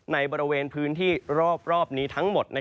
ในบริเวณพื้นที่รอบนี้ทั้งหมด